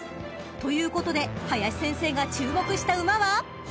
［ということで林先生が注目した馬は］